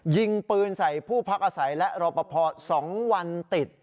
ยิงปืนใส่ผู้พักอาศัยและรอปภ๒วันติด